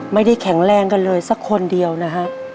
ไม่ได้แข็งแรงกันเลยสักคนเดียวนะฮะ